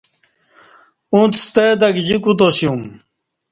اݩڅ ستہ تہ گجی کوتاسیوم۔